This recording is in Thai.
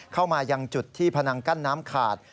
เข้ามายังจุดที่พนังกั้นน้ำขาด